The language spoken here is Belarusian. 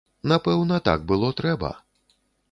Напэўна, так было трэба.